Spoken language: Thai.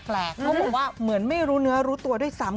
เขาบอกว่าเหมือนไม่รู้เนื้อรู้ตัวด้วยซ้ำ